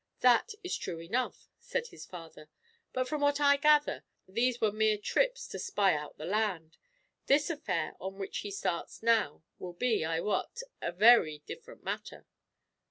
"That is true enough," said his father; "but from what I gather, these were mere trips to spy out the land. This affair on which he starts now will be, I wot, a very different matter."